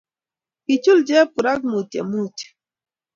Kichuul chepkurak Mutyo mutyo